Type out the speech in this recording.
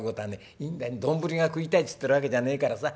いいんだよ丼が食いたいっつってるわけじゃねえからさ。